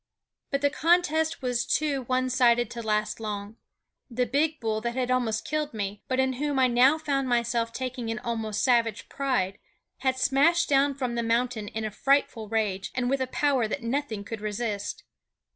But the contest was too one sided to last long. The big bull that had almost killed me, but in whom I now found myself taking an almost savage pride, had smashed down from the mountain in a frightful rage, and with a power that nothing could resist.